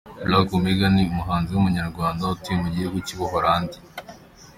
Black Omega ni umuhanzi w’Umunyarwanda utuye mu gihugu cy’ u Buholandi.